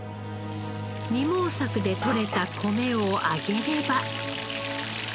二毛作でとれた米を揚げれば。